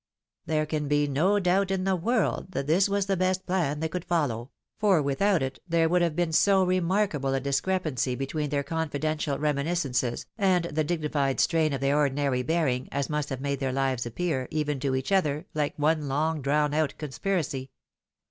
There can be no doubt in the world that this was the best plan they could follow ; for without it there would have been so remarkaiale a discrepancy between their confidential reminis cences, and the dignified strain of their ordinary bearing, as must have made their fives appear, even to each other, like one long drawn out conspiracy.